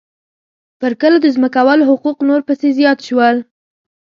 پر کلو د ځمکوالو حقوق نور پسې زیات شول